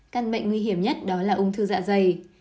căn bệnh nguy hiểm nhất đó là ung thư dạ dày